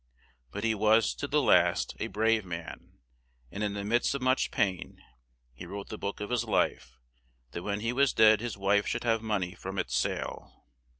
But he was, to the last, a brave man; and in the midst of much pain, he wrote the book of his life, that when he was dead his wife should have mon ey from its sale.